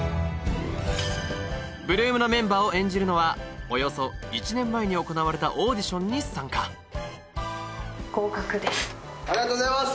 ８ＬＯＯＭのメンバーを演じるのはおよそ１年前に行われたオーディションに参加ありがとうございます！